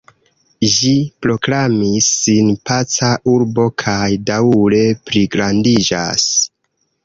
Ĝi proklamis sin paca urbo kaj daŭre pligrandiĝas.